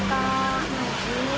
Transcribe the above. tidak ada penyelidikan